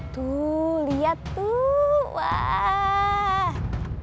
tuh lihat tuh